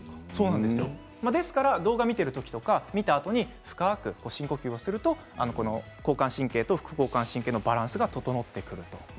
ですから動画を見ている時とか見たあとに深く深呼吸をすると交感神経と副交感神経のバランスが整ってくる。